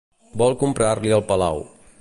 Vol comprar-li el palau.